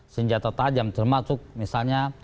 senjata tajam termasuk misalnya